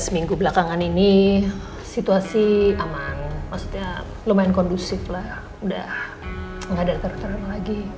minggu belakangan ini situasi aman maksudnya lumayan kondusif lah udah nggak ada teror teror lagi